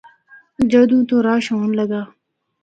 جدّوں تو رش ہونڑ لگا۔